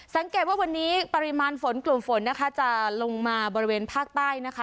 สังเกตว่าวันนี้ปริมาณฝนกลุ่มฝนนะคะจะลงมาบริเวณภาคใต้นะคะ